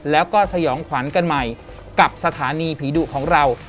แล้วก็สยองขวัญกันใหม่กับสถานีผีดุของเรา